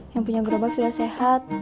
yang punya gerobak sudah sehat